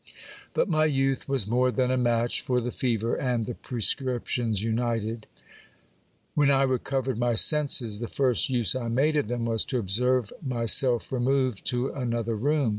But my youth was more than a match for the fever and the prescriptions united. When I recovered my senses, the first use I made of them was to observe my self removed to another room.